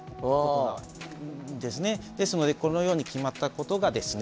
ですのでこのように決まったことがですね